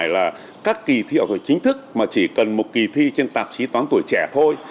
và các kỳ thi học sinh giỏi chính thức mà chỉ cần một kỳ thi trên tạp chí toán tuổi trẻ thôi